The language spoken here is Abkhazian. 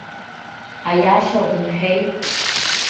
Аиаша умҳәеи.